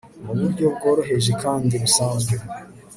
mu buryo bworoheje kandi busanzwe